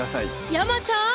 山ちゃん